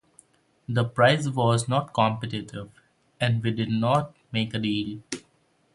The price was not competitive, and we did not make a deal.